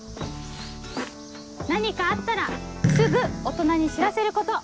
何かあったらすぐ大人に知らせること。